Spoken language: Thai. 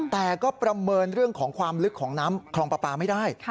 แต่ก็ประเมินเรื่องของความลึกของน้ำคลองปลาปลาไม่ได้